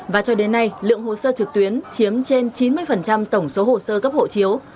và cho đến nay lượng hồ sơ trực tuyến chiếm trên chín mươi tổng số hồ sơ cấp hộ chiếu